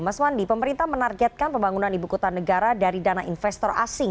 mas wandi pemerintah menargetkan pembangunan ibu kota negara dari dana investor asing